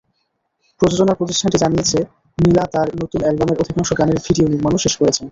প্রযোজনা প্রতিষ্ঠানটি জানিয়েছে, মিলা তাঁর নতুন অ্যালবামের অধিকাংশ গানের ভিডিও নির্মাণও শেষ করেছেন।